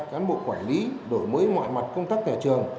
cán bộ quản lý đổi mới ngoại mặt công tác nhà trường